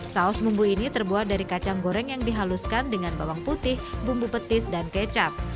saus bumbu ini terbuat dari kacang goreng yang dihaluskan dengan bawang putih bumbu petis dan kecap